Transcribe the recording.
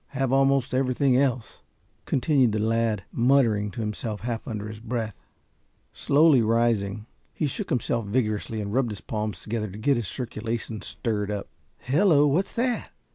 Have almost everything else," continued the lad, muttering to himself, half under his breath. Slowly rising he shook himself vigorously and rubbed his palms together to get his circulation stirred up. "Hello, what's that?